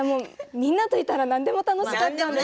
みんなといたら何でも楽しかったんです。